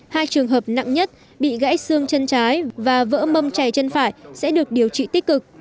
hai trường hợp nặng nhất bị gãy xương chân trái và vỡ mâm chảy chân phải sẽ được điều trị tích cực